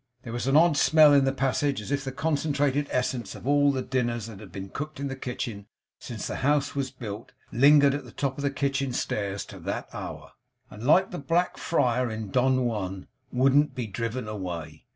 There was an odd smell in the passage, as if the concentrated essence of all the dinners that had been cooked in the kitchen since the house was built, lingered at the top of the kitchen stairs to that hour, and like the Black Friar in Don Juan, 'wouldn't be driven away.